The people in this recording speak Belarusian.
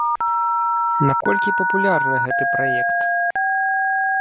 Наколькі папулярны гэты праект?